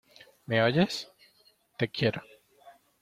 ¿ me oyes? ¡ te quiero!